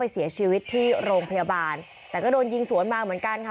เสียชีวิตที่โรงพยาบาลแต่ก็โดนยิงสวนมาเหมือนกันค่ะ